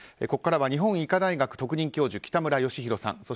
ここからは日本医科大学特任教授の北村義浩さん。